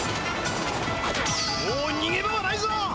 もうにげ場はないぞ！